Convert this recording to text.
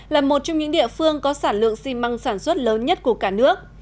là một trong những địa phương có sản lượng xi măng sản xuất lớn nhất của cả nước